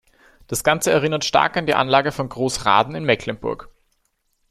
Das ganze erinnert stark an die Anlage von Groß Raden in Mecklenburg.